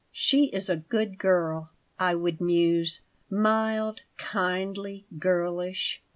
"She is a good girl," I would muse, "mild, kindly, girlish.